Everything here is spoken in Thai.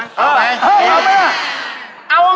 เอาไงเอาไหม